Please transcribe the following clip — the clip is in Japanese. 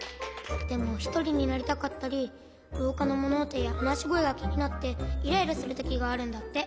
でもひとりになりたかったりろうかのものおとやはなしごえがきになってイライラするときがあるんだって。